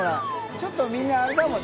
ちょっとみんなあれだもん。